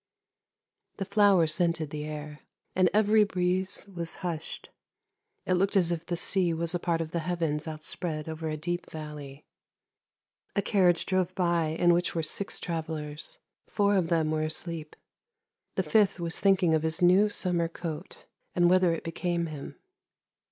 The flowers scented the air, and every breeze was hushed, it looked as if the sea was a part of the heavens out spread over a deep valley. A carriage drove by in which were six travellers, four of them were asleep, the fifth was thinking of WHAT THE MOON SAW 237 his new summer coat, and whether it became him.